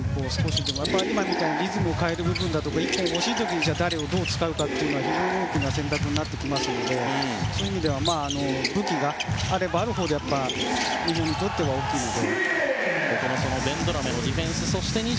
今みたいにリズムを変える部分だとか１点がほしい時に誰をどう使うかというのが非常に大きな選択になりますのでそういう意味では武器があればあるほど日本にとっては大きいので。